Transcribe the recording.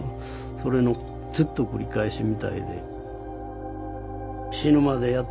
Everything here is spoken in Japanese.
それのずっと繰り返しみたいで。